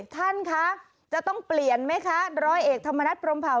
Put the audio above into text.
ท่านคะจะต้องเปลี่ยนไหมคะร้อยเอกธรรมนัฐพรมเผา